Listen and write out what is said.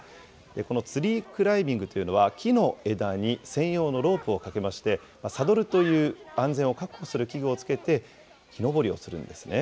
このツリークライミングというのは、木の枝に専用のロープを掛けまして、サドルという安全を確保する器具をつけて、木登りをするんですね。